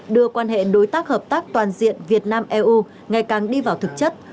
đưa quan hệ đối tác hợp tác toàn diện việt nam eu ngày càng đi vào thực chất